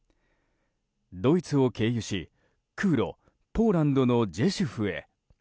ドイツを経由し、空路ポーランドのジェシュフへ。